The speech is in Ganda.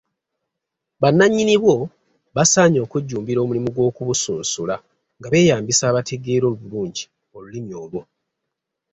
Bannannyini bwo basaanye okujjumbira omulimu gw’okubusunsula nga beeyambisa abateegera obulungi Olulimi olwo.